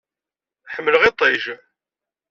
Ḥemmleɣ iṭij.